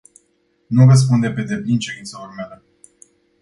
Nu răspunde pe deplin cerințelor mele.